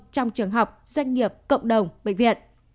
trong trường học doanh nghiệp cộng đồng bệnh viện